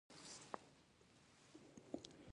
آیا دوی ته تقاعد او درملنه نه ورکوي؟